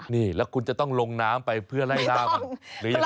นี่แล้วคุณจะต้องลงน้ำไปเพื่อไล่ล่ามันหรือยังไง